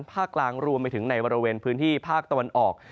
กลางรวมไปถึงในบริเวณพื้นที่ภาคตะวันออก